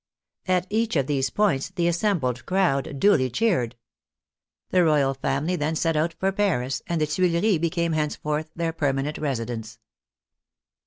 At each of these points the as sembled crowd duly cheered. The royal family then set out for Paris, and the Tuileries became henceforth their permanent residence.